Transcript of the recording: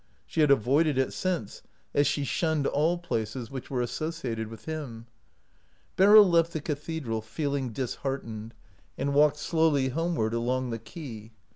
She had avoided it 94 OUT OF BOHEMIA since, as she shunned all places which were associated with him. Beryl left the cathedral feeling disheart ened, and walked slowly homeward along the quay.